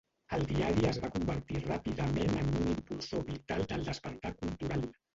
El diari es va convertir ràpidament en un impulsor vital del despertar cultural.